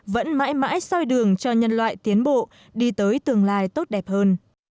vẫn mãi mãi soi đường cho nhân loại tiến bộ đi tới tương lai tốt đẹp hơn